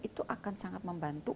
itu akan sangat membantu